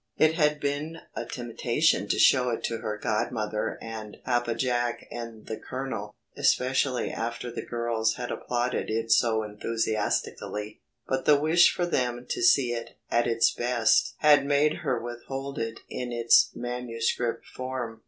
It had been a temptation to show it to her godmother and Papa Jack and the Colonel, especially after the girls had applauded it so enthusiastically; but the wish for them to see it at its best had made her withhold it in its manuscript form.